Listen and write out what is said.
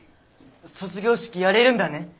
卒業式やれるんだね？